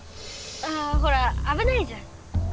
ああほらあぶないじゃん。